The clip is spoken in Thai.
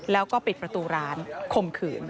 แล้วก็ปิดประตูร้านคมขืน